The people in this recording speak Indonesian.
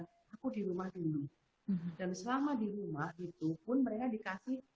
aku di rumah dulu dan selama di rumah itu pun mereka dikasih